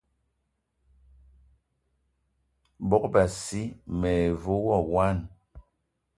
Bogb-assi me ve wo wine.